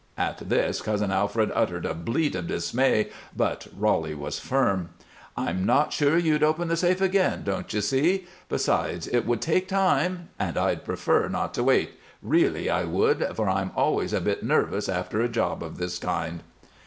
At this, Cousin Alfred uttered a bleat of dismay, but Roly was firm. "I'm not sure you'd open the safe again, don't you see? Besides, it would take time, and I'd prefer not to wait; really I would, for I'm always a bit nervous after a job of this kind."